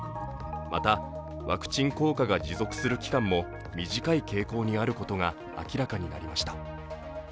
また、ワクチン効果が持続する期間も短い傾向にあることが明らかになりました。